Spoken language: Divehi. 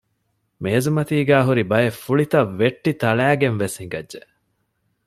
މޭޒުމަތީގައި ހުރި ބައެއް ފުޅިތައް ވެއްޓި ތަޅައިގެން ވެސް ހިނގައްޖެ